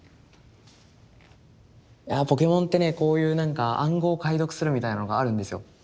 いやあポケモンってねこういうなんか暗号解読するみたいなのがあるんですよ